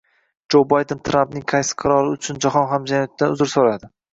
Jo Bayden Trampning qaysi qarori uchun jahon hamjamiyatidan uzr so‘radi?ng